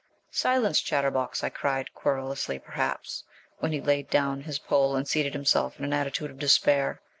'Silence, chatterbox!' I cried, querulously perhaps, when he laid down his pole and seated himself in an attitude of despair.